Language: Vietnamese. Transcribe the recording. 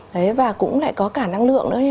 đấy và cũng lại có cả năng lượng nữa